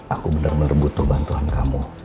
aku bener bener butuh bantuan kamu